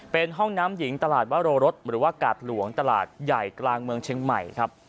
เป็นห้องน้ำหญิงตลาดวโรรสหรือว่ากาดหลวงตลาดใหญ่กลางเมืองเชียงใหม่ครับ